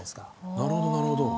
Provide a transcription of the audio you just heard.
なるほどなるほど。